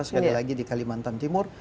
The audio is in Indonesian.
sekali lagi di kalimantan timur